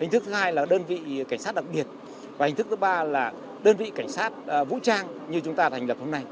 hình thức thứ hai là đơn vị cảnh sát đặc biệt và hình thức thứ ba là đơn vị cảnh sát vũ trang như chúng ta thành lập hôm nay